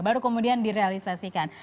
baru kemudian direalisasikan